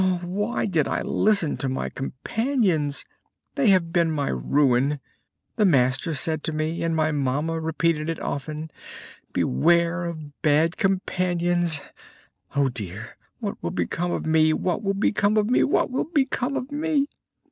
Why did I listen to my companions? they have been my ruin. The master said to me, and my mamma repeated it often: 'Beware of bad companions!' Oh, dear! what will become of me, what will become of me, what will become of me?"